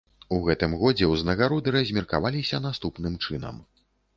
У гэтым годзе ўзнагароды размеркаваліся наступным чынам.